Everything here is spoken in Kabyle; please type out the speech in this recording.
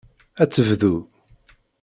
Ad tebdu.